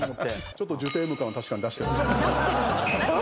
ちょっとジュテーム感は確かに出してます。